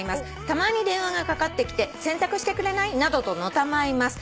「たまに電話がかかってきて『洗濯してくれない？』などとのたまいます。